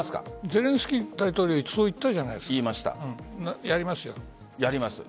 ゼレンスキー大統領がそう言ったじゃないですか。